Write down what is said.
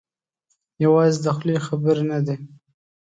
یوازې د خولې خبرې نه دي.